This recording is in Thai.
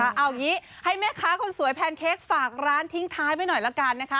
เอางี้ให้แม่ค้าคนสวยแพนเค้กฝากร้านทิ้งท้ายไว้หน่อยละกันนะคะ